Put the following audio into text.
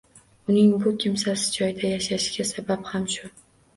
Uning bu kimsasiz joyda yashashiga sabab ham shu.